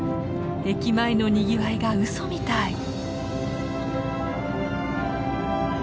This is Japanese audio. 駅前のにぎわいがうそみたい。